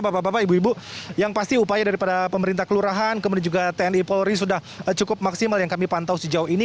bapak bapak ibu ibu yang pasti upaya daripada pemerintah kelurahan kemudian juga tni polri sudah cukup maksimal yang kami pantau sejauh ini